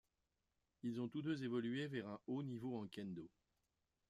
Ils ont tous deux évolué vers un haut niveau en kendo.